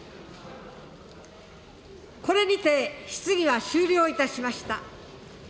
これにて質疑は終了いたしました。